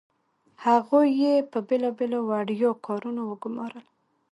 هغوی یې په بیلابیلو وړيا کارونو وګمارل.